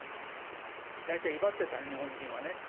大体威張ってたね、日本人はね。